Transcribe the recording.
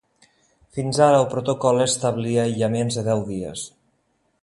Fins ara el protocol establia aïllaments de deu dies.